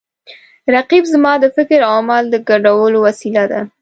رقیب زما د فکر او عمل د ګډولو وسیله ده